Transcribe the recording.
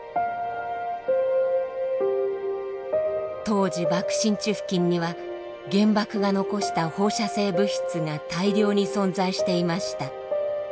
当時爆心地付近には原爆が残した放射性物質が大量に存在していました。